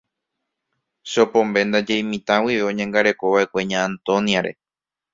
Chopombe ndaje imitã guive oñangarekova'ekue Ña Antonia-re.